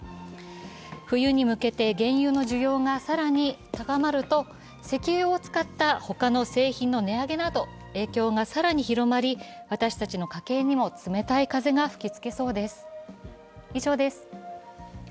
冬に向けて原油の需要が更に高まると石油を使った他の製品の値上げなど、影響が更に広まり、私たちの家計にも冷たい風が吹きつけそうです。